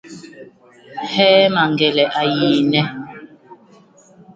Hee Mangele a yiine ?